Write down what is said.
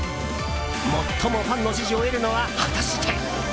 最もファンの支持を得るのは果たして？